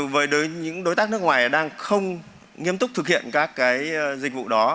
với những đối tác nước ngoài đang không nghiêm túc thực hiện các dịch vụ đó